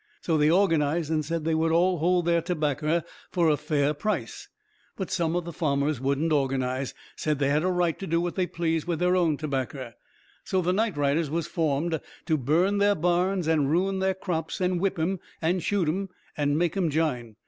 So they organized and said they would all hold their tobaccer fur a fair price. But some of the farmers wouldn't organize said they had a right to do what they pleased with their own tobaccer. So the night riders was formed to burn their barns and ruin their crops and whip 'em and shoot 'em and make 'em jine.